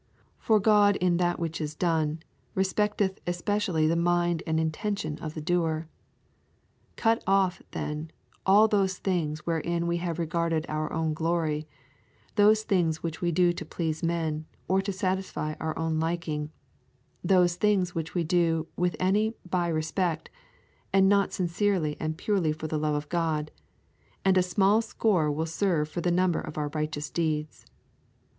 For God in that which is done, respecteth especially the mind and intention of the doer. Cut off, then, all those things wherein we have regarded our own glory, those things which we do to please men, or to satisfy our own liking, those things which we do with any by respect, and not sincerely and purely for the love of God, and a small score will serve for the number of our righteous deeds.